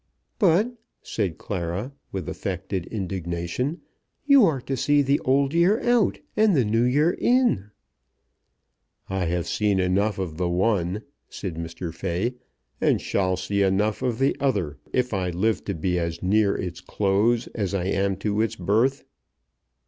"But," said Clara, with affected indignation, "you are to see the Old Year out and the New Year in." "I have seen enough of the one," said Mr. Fay, "and shall see enough of the other if I live to be as near its close as I am to its birth."